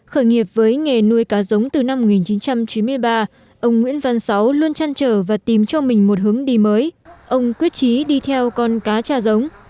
khởi nghiệp với nghề nuôi cá giống từ năm một nghìn chín trăm chín mươi ba ông nguyễn văn sáu luôn chăn trở và tìm cho mình một hướng đi mới ông quyết trí đi theo con cá cha giống